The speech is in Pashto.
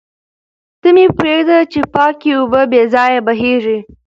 ته مه پرېږده چې پاکې اوبه بې ځایه بهېږي.